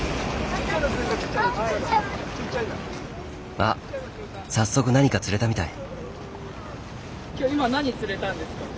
あっ早速何か釣れたみたい。